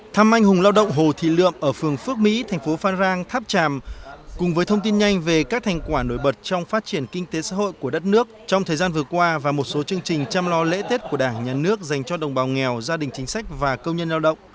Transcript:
thăm anh hùng lao động hồ thị lượm ở phường phước mỹ thành phố phan rang tháp tràm cùng với thông tin nhanh về các thành quả nổi bật trong phát triển kinh tế xã hội của đất nước trong thời gian vừa qua và một số chương trình chăm lo lễ tết của đảng nhà nước dành cho đồng bào nghèo gia đình chính sách và công nhân lao động